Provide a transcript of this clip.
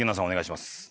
お願いします。